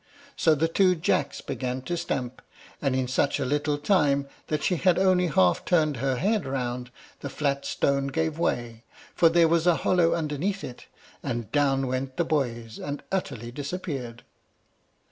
So the two Jacks began to stamp, and in such a little time that she had only half turned her head round, the flat stone gave way, for there was a hollow underneath it, and down went the boys, and utterly disappeared.